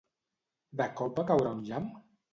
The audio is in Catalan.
De cop va caure un llamp?